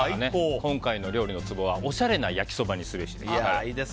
今回の料理のツボはおしゃれな焼きそばにすべしです。